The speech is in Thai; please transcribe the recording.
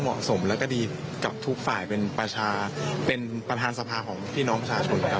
เหมาะสมแล้วก็ดีกับทุกฝ่ายเป็นประชาเป็นประธานสภาของพี่น้องประชาชนนะครับ